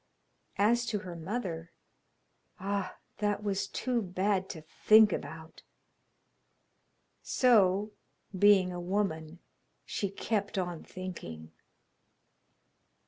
As to her mother ah! that was too bad to think about! So, being a woman, she kept on thinking.